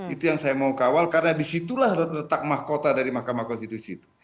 itu yang saya mau kawal karena disitulah letak mahkota dari mahkamah konstitusi itu